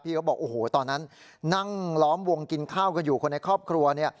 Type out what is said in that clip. เขาบอกโอ้โหตอนนั้นนั่งล้อมวงกินข้าวกันอยู่คนในครอบครัวเนี่ย